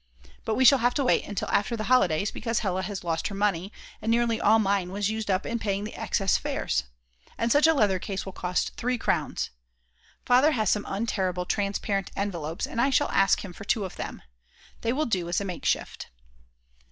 But we shall have to wait until after the holidays because Hella has lost her money, and nearly all mine was used up in paying the excess fares. And such a leather case will cost 3 crowns. Father has some untearable transparent envelopes, and I shall ask him for two of them. They will do as a makeshift.